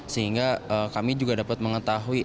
sehingga kami juga dapat mengetahui